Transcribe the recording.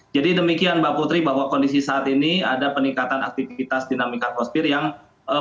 jadi demikian mbak putri bahwa kondisi saat ini ada peningkatan aktivitas dinamika kosmetik yang berakhir